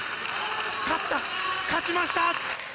勝った、勝ちました。